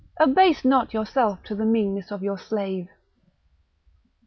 abase not yourself to the meanness of your slave."